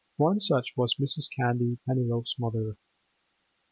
One such was Mrs. Candy, Pennyloaf's mother.